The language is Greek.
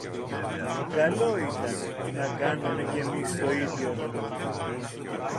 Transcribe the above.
Καλό ήταν να κάναμε και ‘μεις το ίδιο.